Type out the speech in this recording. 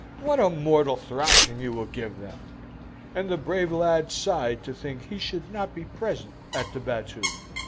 What a mortal thrashing you will give them!" and the brave lad sighed to think he should not be present at the battue.